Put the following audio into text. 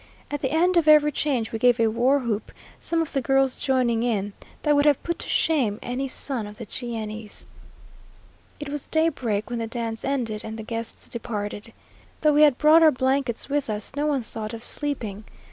At the end of every change, we gave a war whoop, some of the girls joining in, that would have put to shame any son of the Cheyennes. It was daybreak when the dance ended and the guests departed. Though we had brought our blankets with us, no one thought of sleeping.